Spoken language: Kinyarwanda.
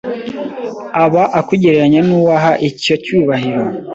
aba akugereranya n’uwo aha icyo cyubahiro